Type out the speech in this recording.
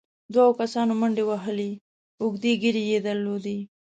دوو کسانو منډې وهلې، اوږدې ږېرې يې درلودې،